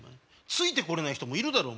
ついてこれない人もいるだろ。